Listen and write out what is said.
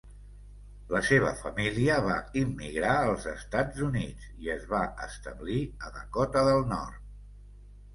La seva família va immigrar als Estats Units i es va establir a Dakota del Nord.